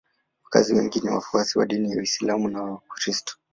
Wakazi wengi ni wafuasi wa dini ya Uislamu na ya Ukristo.